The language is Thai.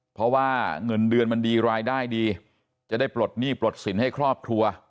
เพราะว่าเงินเดือนมันดีรายได้ดีจะได้ปลดหนี้ปลดสินให้ครอบครัว